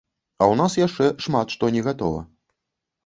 А ў нас яшчэ шмат што не гатова.